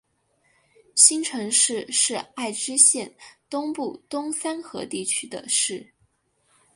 新城市是爱知县东部东三河地区的市。